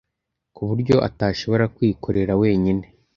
ku buryo atashobora kwikorera wenyine.